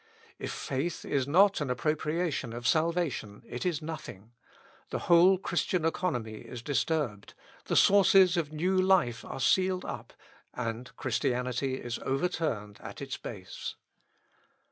If faith is not an appropriation of salvation, it is nothing; the whole Christian economy is disturbed, the sources of new life are sealed up, and Christianity is overturned at its base.